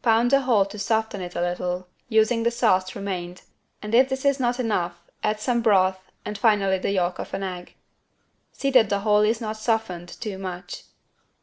Pound the whole to soften it a little using the sauce remained and if this is not enough add some broth and finally the yolk of an egg. See that the whole is not softened too much.